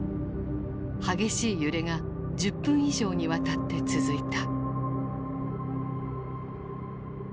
激しい揺れが１０分以上にわたって続いた。